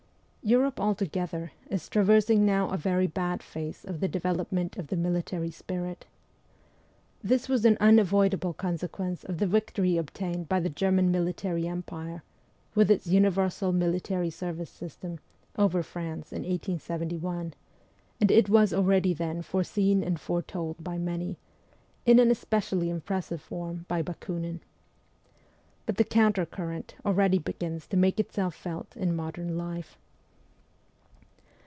Europe altogether is traversing now a very bad phase of the development of the military spirit. This was an unavoidable consequence of the victory obtained by the German military empire, with its universal military service system, over France in 1871, and it was already then foreseen and foretold by many in an especially impressive form by Bakunin. But the counter current already begins to make itself felt in modern life.